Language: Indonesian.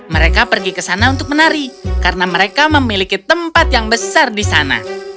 mereka pergi ke sana untuk menari karena mereka memiliki tempat yang besar di sana